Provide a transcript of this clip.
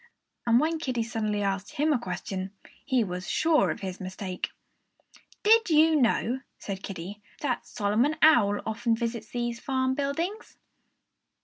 And when Kiddie suddenly asked him a question, he was sure of his mistake. "Did you know," said Kiddie, "that Solomon Owl often visits these farm buildings?"